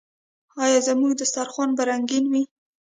آیا زموږ دسترخان به رنګین وي؟